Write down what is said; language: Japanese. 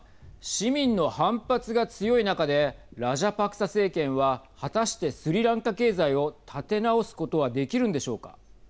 市民の反発が強い中でラジャパクサ政権は果たしてスリランカ経済を立て直すことはできるんでしょうか。